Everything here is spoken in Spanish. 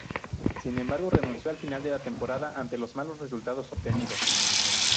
Sin embargo, renunció al final de la temporada ante los malos resultados obtenidos.